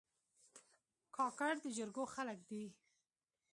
کاکړ د جرګو خلک دي.